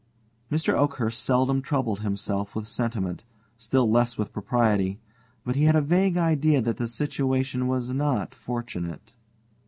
Mr. Oakhurst seldom troubled himself with sentiment, still less with propriety; but he had a vague idea that the situation was not fortunate.